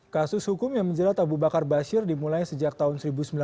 kasus hukum yang menjerat abu bakar basir dimulai sejak tahun seribu sembilan ratus sembilan puluh